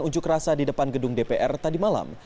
unjuk rasa di depan gedung dpr tadi malam